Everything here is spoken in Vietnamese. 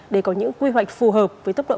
để có những quy hoạch phù hợp với tốc độ